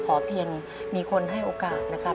เพียงมีคนให้โอกาสนะครับ